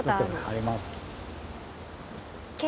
あります。